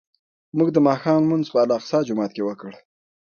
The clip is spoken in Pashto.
موږ د ماښام لمونځ په الاقصی جومات کې وکړ.